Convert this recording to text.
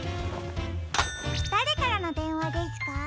だれからのでんわですか？